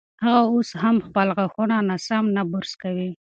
هغه اوس هم غاښونه ناسم نه برس کوي.